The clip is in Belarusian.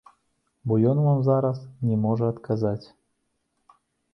Бо ён вам зараз не можа адказаць.